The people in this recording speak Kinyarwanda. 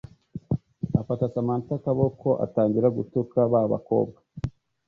afata samantha akaboko atangira gutuka ba bakobwa